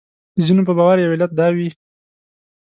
د ځینو په باور یو علت دا وي.